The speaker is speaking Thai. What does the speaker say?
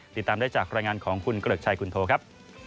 ติดตามได้จากรายงานของคุณเกริกชัยคุณโทครับ